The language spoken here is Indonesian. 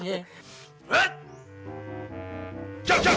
jauh jauh jauh jauh